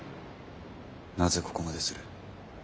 なぜここまでする？